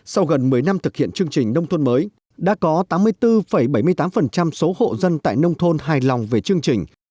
sau gần một mươi năm thực hiện chương trình nông thôn mới đã có tám mươi bốn bảy mươi tám số hộ dân tại nông thôn hài lòng về chương trình